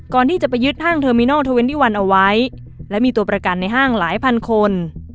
ก่อนที่จะไปยึดห้างเทอร์มินอลเทอร์เวนดี้วันเอาไว้และมีตัวประกันในห้างหลายพันคน